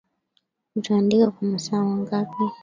Utaandika kwa masaa mangapi